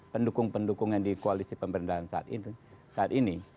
pendukung pendukung yang di koalisi pemerintahan saat ini